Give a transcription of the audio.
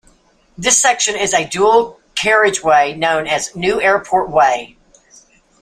This section is a dual carriageway known as "New Airport Way".